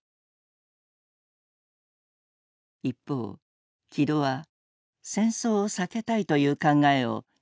一方木戸は戦争を避けたいという考えを百武に伝えていた。